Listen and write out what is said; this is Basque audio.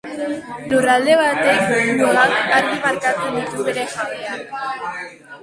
Lurralde baten mugak argi markatzen ditu bere jabeak.